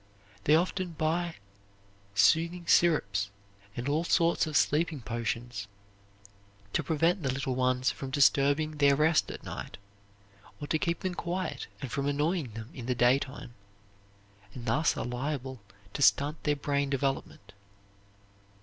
They often buy soothing syrups and all sorts of sleeping potions to prevent the little ones from disturbing their rest at night, or to keep them quiet and from annoying them in the day time, and thus are liable to stunt their brain development.